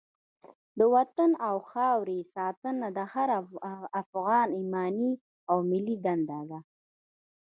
د وطن او خاورې ساتنه د هر افغان ایماني او ملي دنده ده.